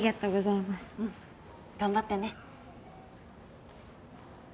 うん頑張ってね。